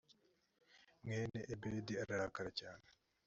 mwene ebedi ararakara cyane